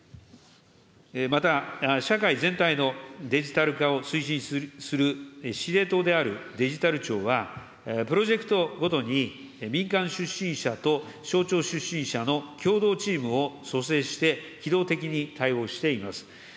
また社会全体のデジタル化を推進する司令塔であるデジタル庁は、プロジェクトごとに民間出身者と省庁出身者の共同チームを組成して、機動的に対応しています。